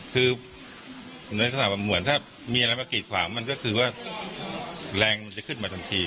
คือในลักษณะแบบเหมือนถ้ามีอะไรมากีดขวางมันก็คือว่าแรงมันจะขึ้นมาทันที